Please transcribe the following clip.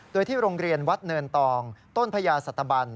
โดยที่โรงเรียนวัดเนินตองต้นพญาสัตบัน